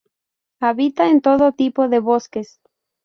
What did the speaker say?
Habita en todo tipo de bosques.